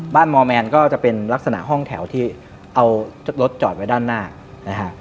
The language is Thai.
มอร์แมนก็จะเป็นลักษณะห้องแถวที่เอารถจอดไว้ด้านหน้านะฮะ